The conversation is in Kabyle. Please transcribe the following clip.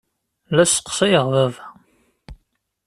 La sseqsayeɣ baba.